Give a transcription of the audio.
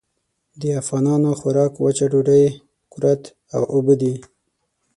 د افغانانو خوراک وچه ډوډۍ، کُرت او اوبه دي.